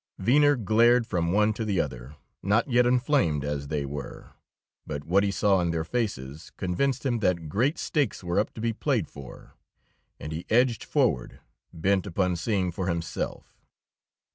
Venner glared from one to the other, not yet inflamed as they were. But what he saw in their faces convinced him that great stakes were up to be played for, and he edged forward bent upon seeing for himself.